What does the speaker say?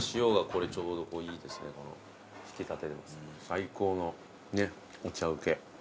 最高のお茶請け。